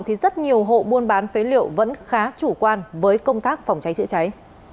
thì rất nhiều hộ buôn bán phế liệu vẫn khá chủ quan với công tác phòng cháy chữa cháy